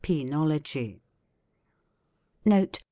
Penology. Note.